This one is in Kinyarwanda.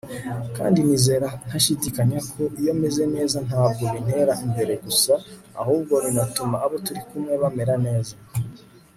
kandi nizera ntashidikanya ko iyo meze neza, ntabwo bintera imbere gusa, ahubwo binatuma abo turi kumwe bamera neza